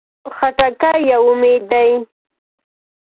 خټکی یو امید دی.